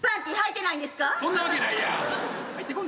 そんなわけないやん！